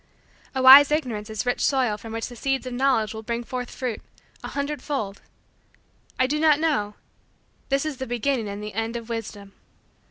A wise Ignorance is rich soil from which the seeds of Knowledge will bring forth fruit, a hundred fold. "I do not know": this is the beginning and the end of wisdom.